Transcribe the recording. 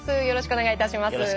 よろしくお願いします。